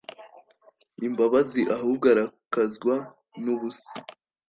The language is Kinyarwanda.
imbabazi ahubwo arakazwa n ubusa